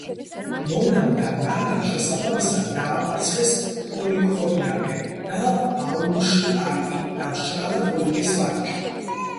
ნონამ და ნანამ შესაბამისად დაამარცხეს პოლიქრონიადე და ბაუმშტარკი და მშრალად მოიგეს მატჩი.